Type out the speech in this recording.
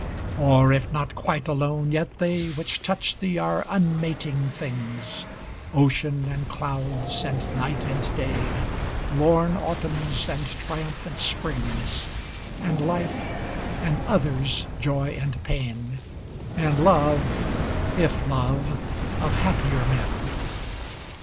Or, if not quite alone, yet they Which touch thee are unmating things Ocean and clouds and night and day; Lorn autumns and triumphant springs; And life, and others' joy and pain, And love, if love, of happier men.